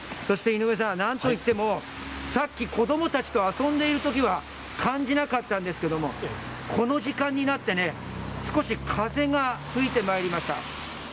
なんといってもさっき子供たちと遊んでいるときは感じなかったんですけれども、この時間になって、少し風が吹いてまいりました。